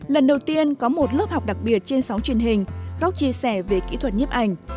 lần đầu tiên có một lớp học đặc biệt trên sóng truyền hình góc chia sẻ về kỹ thuật nhiếp ảnh